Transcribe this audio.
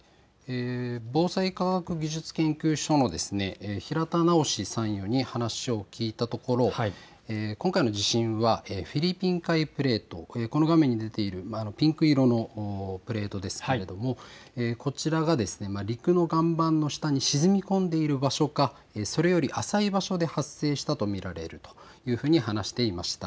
防災科学技術研究所の平田直参与に話を聞いたところ、今回の地震はフィリピン海プレート、この画面に出ているピンク色のプレートですけれどもこちらが陸の岩盤の下に沈み込んでいる場所かそれより浅い場所で発生したと見られるというふうに話していました。